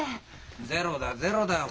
ゼロだゼロだよ。